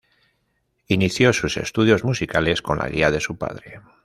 Inició sus estudios musicales con la guía de su padre.